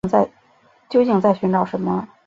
究竟在寻找什么